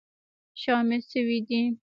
شامل شوي دي